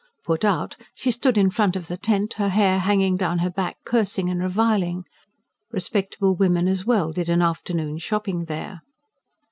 Put out, she stood in front of the tent, her hair hanging down her back, cursing and reviling. Respectable women as well did an afternoon's shopping there.